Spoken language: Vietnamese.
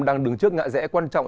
đang đứng trước ngại rẽ quan trọng